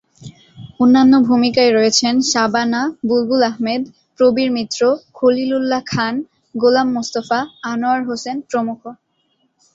অন্যান্য ভূমিকায় রয়েছেন শাবানা, বুলবুল আহমেদ, প্রবীর মিত্র, খলিল উল্লাহ খান, গোলাম মুস্তাফা, আনোয়ার হোসেন প্রমুখ।